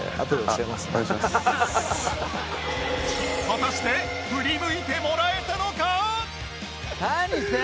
果たして振り向いてもらえたのか！？